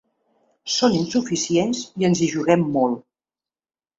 Són insuficients i ens hi juguem molt!